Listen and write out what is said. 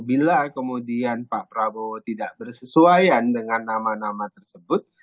bila kemudian pak prabowo tidak bersesuaian dengan nama nama tersebut